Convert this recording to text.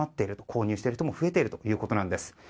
購入している人も増えているということです。